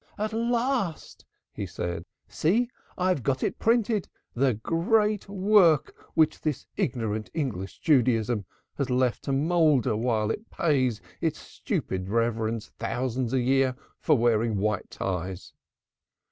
"At last," he said. "See, I have got it printed the great work which this ignorant English Judaism has left to moulder while it pays its stupid reverends thousands a year for wearing white ties."